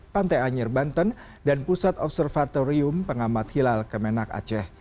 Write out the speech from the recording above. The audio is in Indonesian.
pantai anyer banten dan pusat observatorium pengamat hilal kemenak aceh